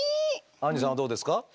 アンジェさんはどうですか？